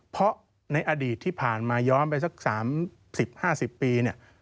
เพราะในอดีตที่ผ่านมาย้อนไปสัก๓๐๕๐ปีเนี่ย